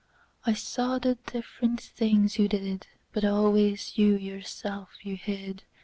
I saw the different things you did, But always you yourself you hid.